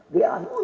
di atas tuhan